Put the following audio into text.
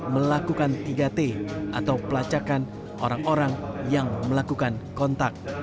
melakukan tiga t atau pelacakan orang orang yang melakukan kontak